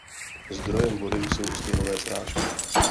Zdrojem vody jsou sněhové srážky.